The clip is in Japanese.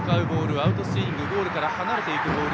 アウトスイング、ゴールから離れていくボール